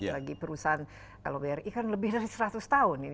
bagi perusahaan kalau bri kan lebih dari seratus tahun